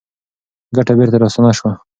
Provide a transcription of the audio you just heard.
ګټه بېرته راستانه شوه.